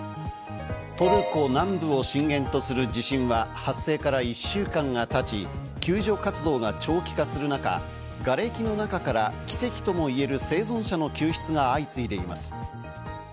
トルコ南部を震源とする地震は発生から１週間がたち、救助活動が長期化する中、がれきの中から奇跡ともいえる生存者の救出が相次いでいます。